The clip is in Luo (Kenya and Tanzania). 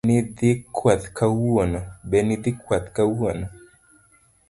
Be nidhi kwath kawuono?